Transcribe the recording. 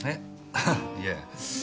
あっいや。